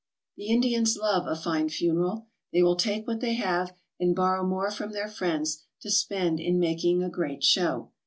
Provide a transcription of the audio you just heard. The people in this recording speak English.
The Indians love a fine funeral. They will take what they have and borrow more from their friends to spend in making a great show.